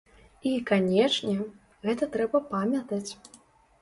І, канечне, гэта трэба памятаць.